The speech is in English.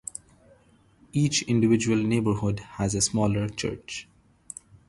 Each individual neighbourhood has a smaller church.